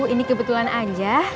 ini kebetulan aja